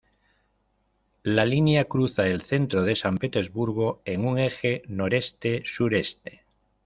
La línea cruza el centro de San Petersburgo en un eje noreste-suroeste.